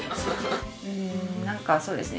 うん何かそうですね